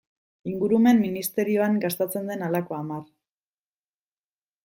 Ingurumen ministerioan gastatzen den halako hamar.